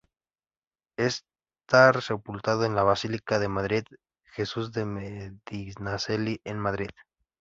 Está sepultado en la Basílica de Jesús de Medinaceli en Madrid.